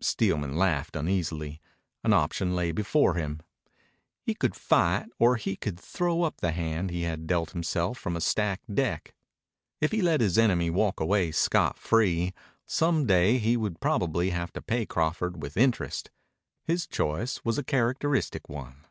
Steelman laughed uneasily. An option lay before him. He could fight or he could throw up the hand he had dealt himself from a stacked deck. If he let his enemy walk away scot free, some day he would probably have to pay Crawford with interest. His choice was a characteristic one.